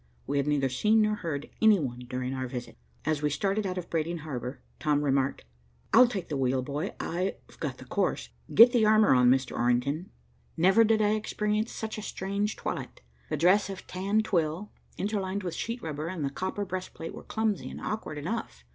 We had neither seen nor heard any one during our visit. As we started out of Brading Harbor, Tom remarked, "I'll take the wheel, boy, I've got the course. Get the armor on Mr. Orrington." Never did I experience such a strange toilet. The dress of tan twill, interlined with sheet rubber, and the copper breastplate were clumsy and awkward enough.